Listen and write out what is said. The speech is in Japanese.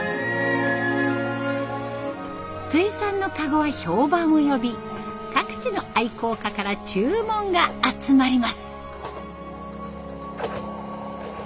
筒井さんのカゴは評判を呼び各地の愛好家から注文が集まります。